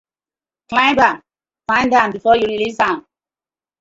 Climb am, pound am befor yu release am.